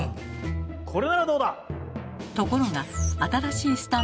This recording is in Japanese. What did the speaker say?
これならどうだ！